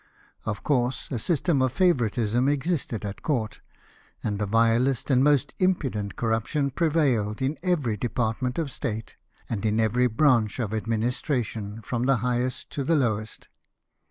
Of course a system of favouritism existed at Court, and the vilest and most impudent corruption prevailed in every department of State, and in every branch of administration, from the highest to the lowest.